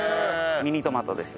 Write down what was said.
ミニトマトです。